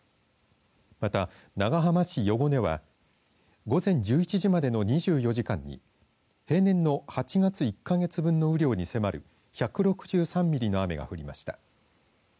また、長浜市余呉では午前１１時までの２４時間に平年の８月１か月分の雨量に迫る１６３ミリの雨が降りました。